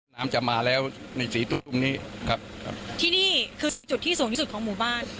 น้ำจะมาแล้วในสี่ตู้ตรงนี้ครับครับที่นี่คือจุดที่สูงที่สุดของหมู่บ้าน